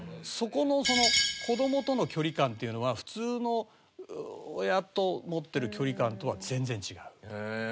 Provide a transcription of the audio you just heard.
そこのその子どもとの距離感っていうのは普通の親と持ってる距離感とは全然違う。